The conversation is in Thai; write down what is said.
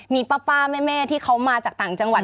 มีป้าแม่ที่เขามาจากต่างจังหวัด